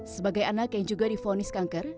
sebagai anak yang juga difonis kanker